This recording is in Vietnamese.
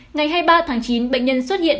ngày hai mươi ba tháng chín bệnh nhân xuất hiện